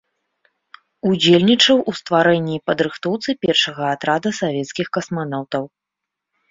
Удзельнічаў у стварэнні і падрыхтоўцы першага атрада савецкіх касманаўтаў.